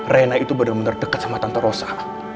rena itu benar benar dekat sama tante rosa